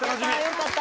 よかった！